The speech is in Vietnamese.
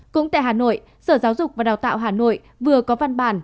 cũng tại hà nội sở giáo dục và đào tạo hà nội vừa có văn bản